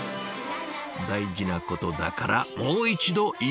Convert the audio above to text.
大事なことだからもう一度言います。